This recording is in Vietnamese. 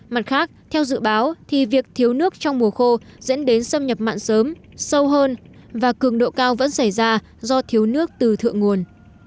mặt khác theo dự báo thì việc thiếu nước trong mùa khô dẫn đến xâm nhập mặn sớm sâu hơn và cường độ cao vẫn xảy ra do thiếu nước từ thượng nguồn